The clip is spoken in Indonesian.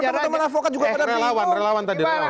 para teman teman avokat juga pada bingung